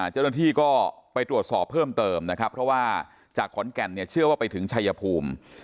เจ้าหน้าที่ก็ไปตรวจสอบเพิ่มเติมนะครับเพราะว่าจากขอนแก่นเนี่ยเชื่อว่าไปถึงชายภูมิ